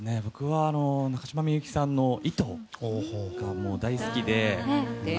僕は、中島みゆきさんの「糸」が大好きで。